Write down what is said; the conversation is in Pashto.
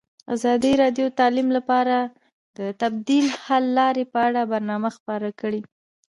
ازادي راډیو د تعلیم لپاره د بدیل حل لارې په اړه برنامه خپاره کړې.